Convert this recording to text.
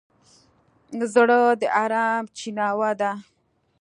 زړه د ارام چیناوه ده.